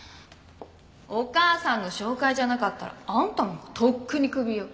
お義母さんの紹介じゃなかったらあんたなんかとっくにクビよ。